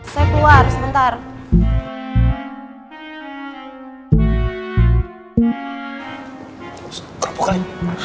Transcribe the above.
saya keluar sebentar